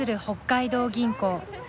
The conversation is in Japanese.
北海道銀行。